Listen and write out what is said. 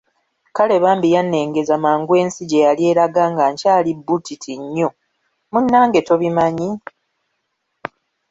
Kale bambi yannengeza mangu ensi gye yali eraga nga nkyali bbuutiti nnyo, munnange tobimanyi?